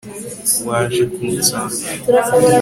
waje kunsanga